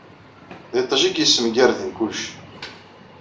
D iṭij i yessemgarden kullec.